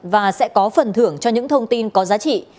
và sẽ có phần thưởng cho những thông tin có giá trị